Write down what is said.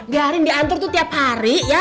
biarin diantar tuh tiap hari ya